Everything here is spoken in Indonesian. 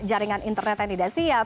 jaringan internet yang tidak siap